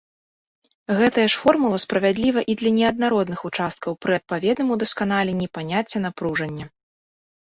Гэтая ж формула справядліва і для неаднародных участкаў пры адпаведным удасканаленні паняцця напружання.